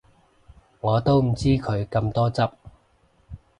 我都唔知佢咁多汁